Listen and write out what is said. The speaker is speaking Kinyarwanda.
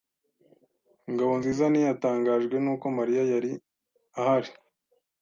Ngabonziza ntiyatangajwe nuko Mariya yari ahari.